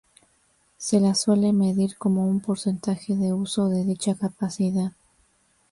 Se la suele medir como un porcentaje de uso de dicha capacidad.